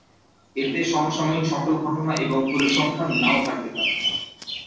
এতে সমসাময়িক সকল ঘটনা এবং পরিসংখ্যান নাও থাকতে পারে।